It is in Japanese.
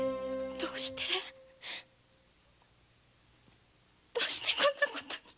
どうしてどうしてこんな事に？